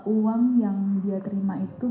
uang yang dia terima itu